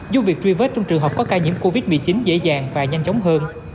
giúp việc truy vết trong trường hợp có ca nhiễm covid một mươi chín dễ dàng và nhanh chóng hơn